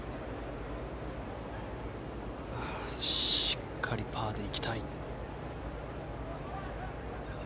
しっかりパーで行きたい。